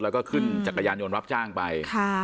แล้วก็ขึ้นจักรยานยนต์รับจ้างไป